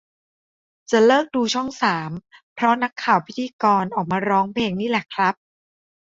จะเลิกดูช่องสามเพราะนักข่าวพิธีกรออกมาร้องเพลงนี่แหละครับ